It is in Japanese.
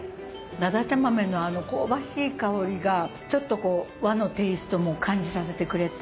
だだちゃ豆の香ばしい香りがちょっとこう和のテイストも感じさせてくれて。